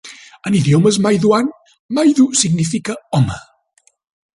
En idiomes Maiduan, "Maidu" significa "home".